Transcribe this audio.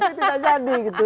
tapi tidak jadi gitu